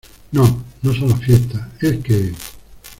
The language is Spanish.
no, no son las fiestas , es que...